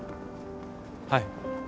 はい。